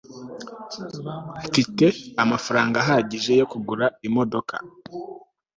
mfite amafaranga ahagije yo kugura imodoka